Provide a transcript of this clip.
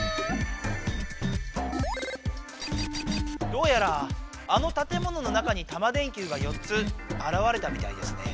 どうやらあのたてものの中にタマ電Ｑが４つあらわれたみたいですね。